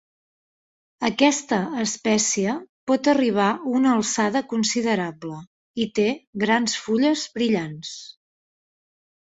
Aquesta espècie pot arribar una alçada considerable i té grans fulles brillants.